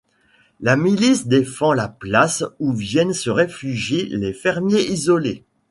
La milice défend la place ou viennent se réfugier les fermiers isolés.